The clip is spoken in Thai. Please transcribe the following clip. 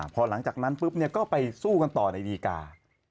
พอหลังจากนั้นปุ๊บก็ไปสู้กันต่อในดีกา